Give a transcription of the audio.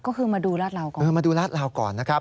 ก็คือมาดูราดราวก่อน